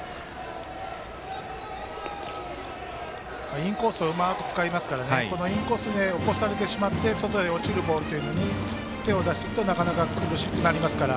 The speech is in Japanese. インコースをうまく使いますからこのインコースで起こされてしまって外の落ちるボールに手を出すとなかなか苦しくなりますから。